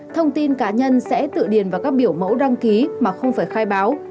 thông tin cá nhân sẽ tự điền vào các biểu mẫu đăng ký mà không phải khai báo